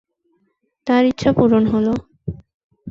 তাঁর ইচ্ছা পূর্ণ হল।